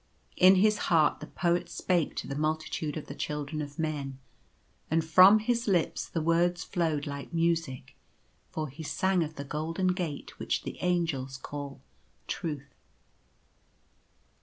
In his heart the Poet spake to the multitude of the children of men ; and from his lips the words flowed like music, for he sang of the Golden Gate which the Angels call Truth.